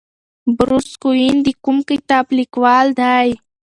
بروس کوئن د کوم کتاب لیکوال دی؟